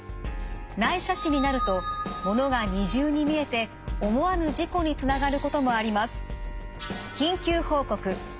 内斜視になると物が二重に見えて思わぬ事故につながることもあります。